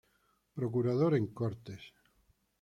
Procurador en Cortes.